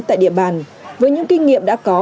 tại địa bàn với những kinh nghiệm đã có